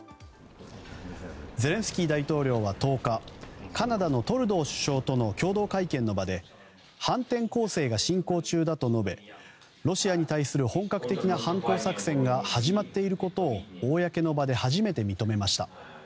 ゼレンスキー大統領は１０日カナダのトルドー首相との共同会見の場で反転攻勢が進行中だと述べロシアに対する本格的な反攻作戦が始まっていることを公の場で初めて認めました。